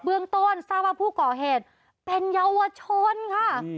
เบื้องต้นสร้างประมาณผู้ก่อเหตุเป็นเยาวชนค่ะ